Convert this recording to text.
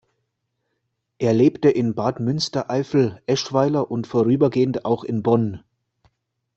Er lebte in Bad Münstereifel-Eschweiler und vorübergehend auch in Bonn.